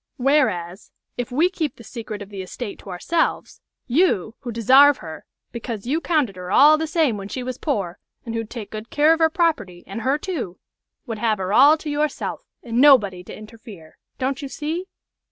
Whereas, if we keep the secret of the estate to ourselves, you, who desarve her, because you 'counted her all the same when she was poor, and who'd take good care of her property, and her, too would have her all to yourself, and nobody to interfere. Don't you see?"